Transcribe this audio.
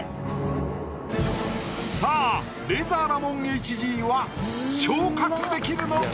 さあレイザーラモンＨＧは昇格できるのか？